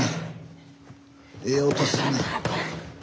ええ音するね。